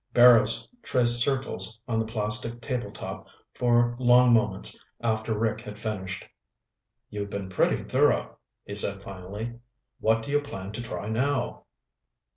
Barrows traced circles on the plastic table top for long moments after Rick had finished. "You've been pretty thorough," he said finally. "What do you plan to try now?"